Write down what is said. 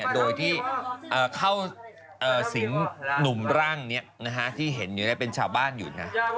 โดยที่เข้าสิงหลุมรั่งที่เห็นเป็นชาวบ้านอยู่